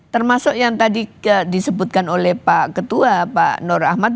termasuk yang tadi disebutkan oleh pak ketua pak nur ahmad